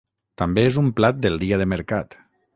També és un plat del dia de mercat